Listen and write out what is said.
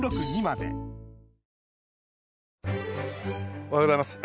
おはようございます。